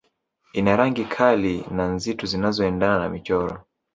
Ina rangi kali na nzitu zinazoendana na michoro